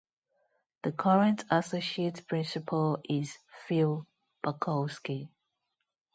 The current associate principal is Phil Pakowski.